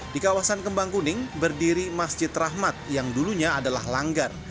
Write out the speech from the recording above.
di kawasan kembang kuning berdiri masjid rahmat yang dulunya adalah langgar